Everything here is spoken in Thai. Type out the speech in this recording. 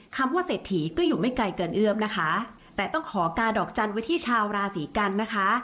คำว่าเศรษฐีก็อยู่ไม่ไกลเกินเอื้อมนะคะแต่ต้องขอกาดอกจันทร์ไว้ที่ชาวราศีกันนะคะ